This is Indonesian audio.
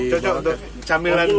cocok untuk camilan